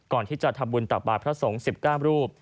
ก่อนที่จะทำบุญตักบาทพระสงฆ์๑๙รูป